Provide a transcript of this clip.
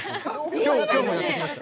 今日もやってきました。